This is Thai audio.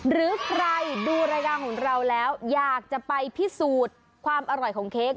หรือใครดูรายการของเราแล้วอยากจะไปพิสูจน์ความอร่อยของเค้ก